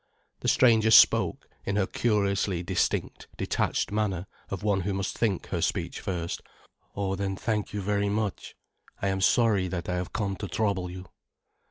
The stranger spoke, in her curiously distinct, detached manner of one who must think her speech first. "Oh, then thank you very much. I am sorry that I have come to trouble you."